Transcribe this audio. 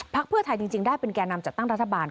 เพื่อไทยจริงได้เป็นแก่นำจัดตั้งรัฐบาล